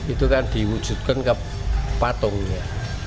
itu kan diwujudkan ke patungnya